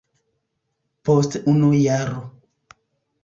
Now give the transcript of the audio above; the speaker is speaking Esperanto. Post unu jaro.